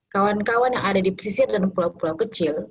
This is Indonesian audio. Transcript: kawan kawan yang ada di pesisir dan pulau pulau kecil